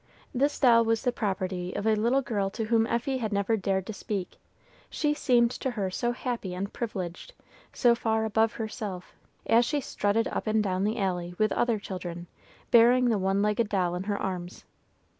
This doll was the property of a little girl to whom Effie had never dared to speak, she seemed to her so happy and privileged, so far above herself, as she strutted up and down the alley with other children, bearing the one legged doll in her arms.